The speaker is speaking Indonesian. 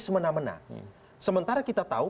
semena mena sementara kita tahu